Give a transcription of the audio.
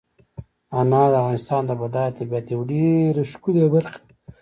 انار د افغانستان د بډایه طبیعت یوه ډېره ښکلې برخه ده.